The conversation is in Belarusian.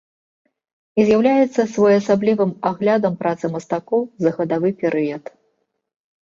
І з'яўляецца своеасаблівым аглядам працы мастакоў за гадавы перыяд.